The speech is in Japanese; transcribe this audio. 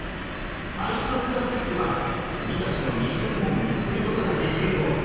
マイクロプラスチックは君たちの身近にも見つけることができるぞ。